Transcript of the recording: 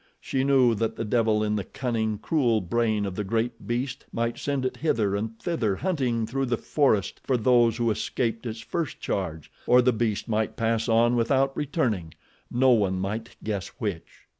She knew that the devil in the cunning, cruel brain of the great beast might send it hither and thither hunting through the forest for those who escaped its first charge, or the beast might pass on without returning—no one might guess which.